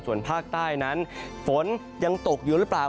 ส่วนภาคใต้นั้นฝนยังตกอยู่หรือเปล่า